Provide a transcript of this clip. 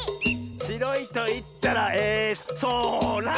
「しろいといったらえそら！」